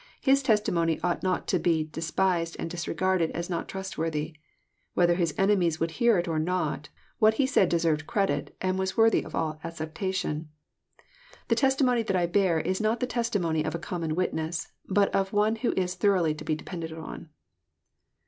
His testimony ought not to be despised and disregarded as not trustworthy. Whether His enemies would hear it or not, what He said deserved credit, and was worthy of all acceptation. —'* The testimony that I bear is not the testimony of a common witness, but of one who is thoroughly to be depended on.'